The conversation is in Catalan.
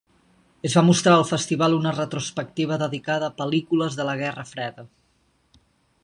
Es va mostrar al festival una retrospectiva dedicada a pel·lícules de la Guerra Freda.